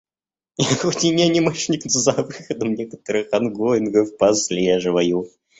Я хоть и не анимешник, но за выходом некоторых онгоингов послеживаю.